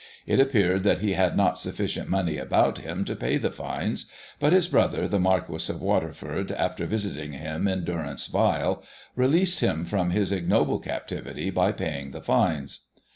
It appeared that he had not sufficient money about him to pay the fines, but his brother, the Marquis of Waterford, after visiting him in " durance vile,'* released him from his ignoble captivity by paying the fines.